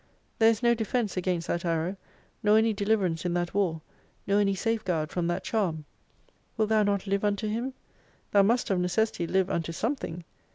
There is no defence against that arrow, nor any deliverance in that war, nor any safeguard from that charm. "Wilt thou not live unto Him ? Thou must of necessity live unto something.